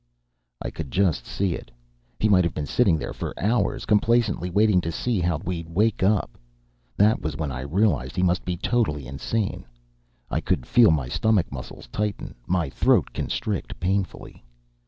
I could just see it. He might have been sitting there for hours, complacently waiting to see how we'd wake up. That was when I realized he must be totally insane. I could feel my stomach muscles tighten, my throat constrict painfully.